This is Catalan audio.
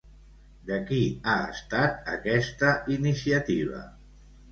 De qui ha estat aquesta iniciativa?